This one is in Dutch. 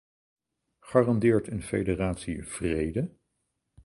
Garandeert een federatie vrede?